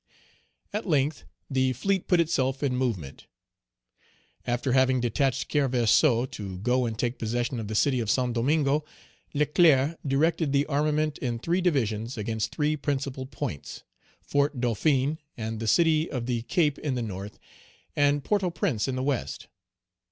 At length the fleet put itself in movement. After having detached Kerverseau to go and take possession of the city of Saint Domingo, Leclerc directed the armament in three divisions against three principal points; Fort Dauphin, and the city of the Cape in the North, and Port au Prince in the West.